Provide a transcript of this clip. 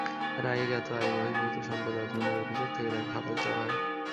রায়ে জ্ঞাত আয়বহির্ভূত সম্পদ অর্জনের অভিযোগ থেকে তাঁকে খালাস দেওয়া হয়।